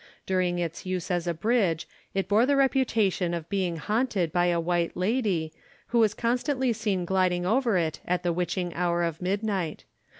During its use as a bridge it bore the reputation of being haunted by a white lady, who was constantly seen gliding over it at the witching hour of midnight.